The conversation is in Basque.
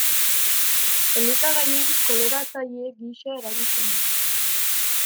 Elikagaien koloratzaile gisa erabiltzen da.